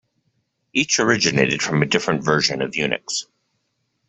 Each originated from a different version of Unix.